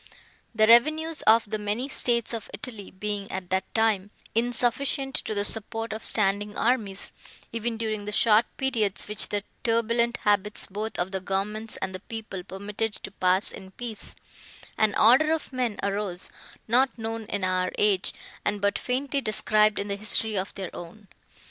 The revenues of the many states of Italy being, at that time, insufficient to the support of standing armies, even during the short periods, which the turbulent habits both of the governments and the people permitted to pass in peace, an order of men arose not known in our age, and but faintly described in the history of their own.